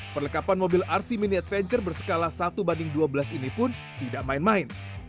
perlengkapan mobil rc mini adventure berskala satu banding dua belas ini pun tidak main main